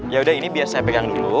ya udah ini biar saya pegang dulu